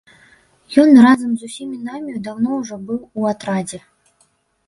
Ён разам з усімі намі даўно ўжо быў у атрадзе.